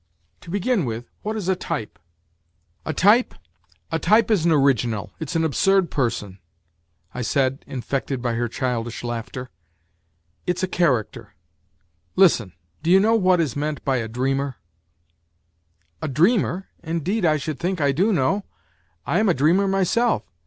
To begin with, what is a type ?" WHITE NIGHTS 13 A typ& #^A type is an original, it's an absurd person !" I said, infecte<^ by her childish laughter. "It's a character. Listen ; ao~~y6u know what is meant by a dreamer ?"" A dreamer ! Indeed I should think I do know. I am a dreamer myself.